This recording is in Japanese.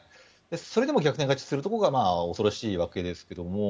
それでも逆転勝ちするところが恐ろしいわけですけれども。